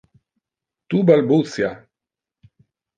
Tu balbutia.